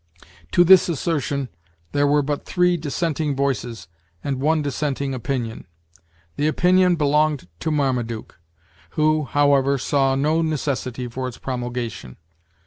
To this assertion there were but three dissenting voices, and one dissenting opinion. The opinion belonged to Marmaduke, who, however, saw no necessity for its promulgation.